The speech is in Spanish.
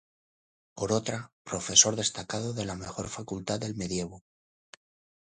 Por otra, profesor destacado de la mejor Facultad del medievo.